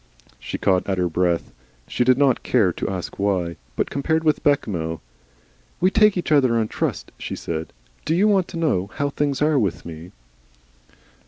She caught at her breath. She did not care to ask why. But compared with Bechamel! "We take each other on trust," she said. "Do you want to know how things are with me?"